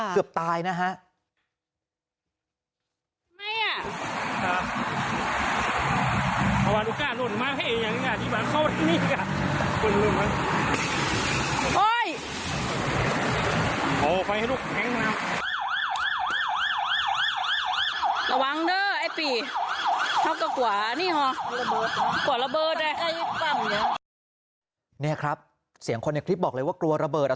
เกือบตายนะฮะ